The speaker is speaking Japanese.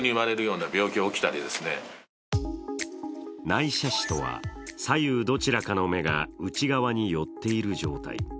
内斜視とは、左右どちらかの目が内側に寄っている状態。